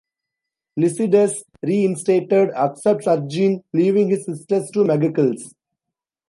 Lycidas, reinstated, accepts Argene, leaving his sister to Megacles.